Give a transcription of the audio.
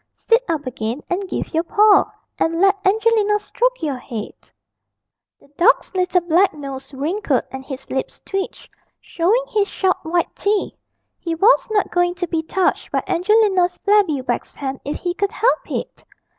Sit up again and give your paw, and let Angelina stroke your head.' The dog's little black nose wrinkled and his lips twitched, showing his sharp white teeth: he was not going to be touched by Angelina's flabby wax hand if he could help it!